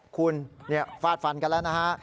คุณเนี่ยฟาดฝันกันแล้วนะฮะ